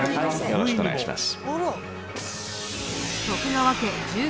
よろしくお願いします。